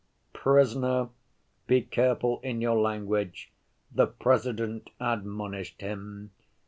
"Prisoner, be careful in your language," the President admonished him.